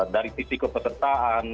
dari sisi kepesertaan